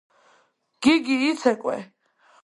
გიგი იცეკვე